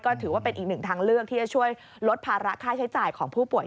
ก็ถือว่าเป็นอีกหนึ่งทางเลือกที่จะช่วยลดภาระค่าใช้จ่ายของผู้ป่วย